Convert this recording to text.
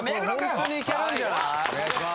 はいお願いします